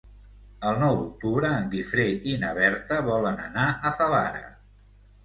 El nou d'octubre en Guifré i na Berta volen anar a Favara.